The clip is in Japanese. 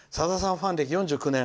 ファン歴４９年。